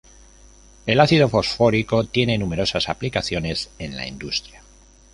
El ácido fosfórico tiene numerosas aplicaciones en la industria.